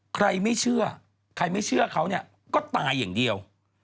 ใครไม่เชื่อใครไม่เชื่อเขาก็ตายอย่างเดียว